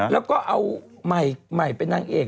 แล้วก็เอาใหม่เป็นนางเอก